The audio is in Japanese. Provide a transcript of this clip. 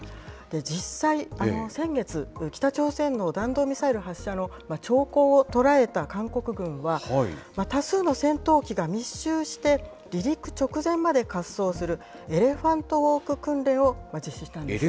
実際、先月、北朝鮮の弾道ミサイル発射の兆候を捉えた韓国軍は、多数の戦闘機が密集して、離陸直前まで滑走する、エレファントウォーク訓練を実施したんです。